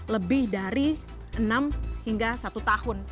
lebih dari enam hingga satu tahun